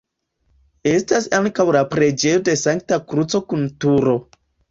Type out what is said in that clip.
Estas ankaŭ la preĝejo de Sankta Kruco kun turo.